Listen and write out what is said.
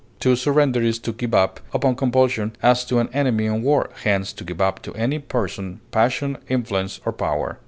To surrender is to give up upon compulsion, as to an enemy in war, hence to give up to any person, passion, influence, or power.